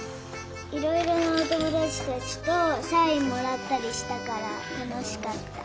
いろいろなおともだちたちとサインもらったりしたからたのしかった。